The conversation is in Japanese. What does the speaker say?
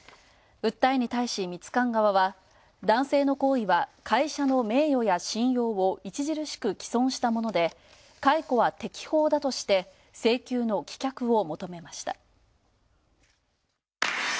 訴えに対し、ミツカン側は男性の行為は会社の名誉を著しく毀損したもので解雇は適法だとして請求の棄却を求めました。